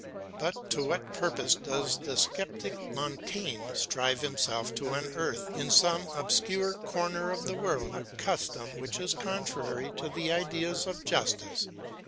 But to what purpose does the sceptic Montaigne strive himself to unearth in some obscure corner of the world a custom which is contrary to the ideas of justice?